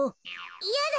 いやだ！